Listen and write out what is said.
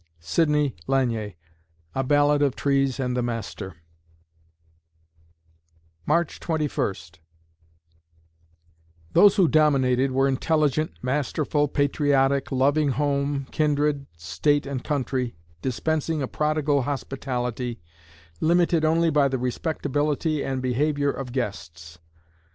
SIDNEY LANIER (A Ballad of Trees and the Master) March Twenty First Those who dominated were intelligent, masterful, patriotic, loving home, kindred, state and country, dispensing a prodigal hospitality, limited only by the respectability and behavior of guests.